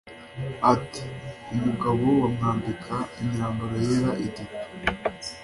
Ati “Umugabo bamwambika imyambaro yera itatu